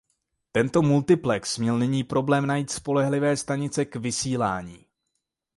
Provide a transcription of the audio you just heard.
Tento multiplex měl nyní problém najít spolehlivé stanice k vysílání.